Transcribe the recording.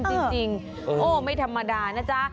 เออจริงไม่ธรรมดานะจ๊ะ